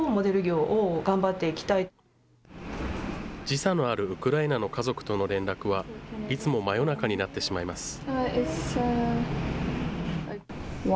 時差のあるウクライナの家族との連絡は、いつも真夜中になってしまいます。